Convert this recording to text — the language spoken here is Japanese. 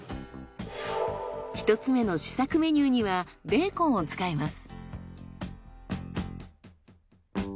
１つ目の試作メニューにはベーコンを使います。